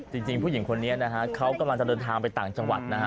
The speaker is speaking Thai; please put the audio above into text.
จริงผู้หญิงคนนี้นะฮะเขากำลังจะเดินทางไปต่างจังหวัดนะฮะ